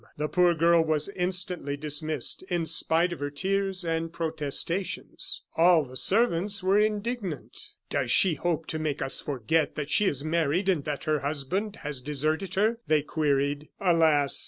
The poor girl was instantly dismissed, in spite of her tears and protestations. All the servants were indignant. "Does she hope to make us forget that she is married and that her husband has deserted her?" they queried. Alas!